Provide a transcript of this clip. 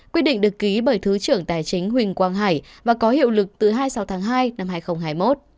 quyết định được ký bởi thứ trưởng tài chính huỳnh quang hải và có hiệu lực từ hai mươi sáu tháng hai năm hai nghìn hai mươi một